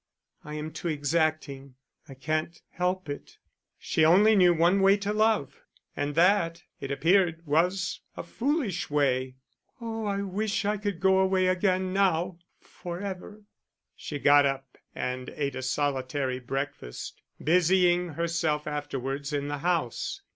I am too exacting. I can't help it." She only knew one way to love, and that, it appeared was a foolish way. "Oh, I wish I could go away again now for ever." She got up and ate a solitary breakfast, busying herself afterwards in the house.